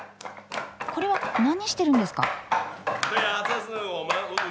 これは何してるんですか？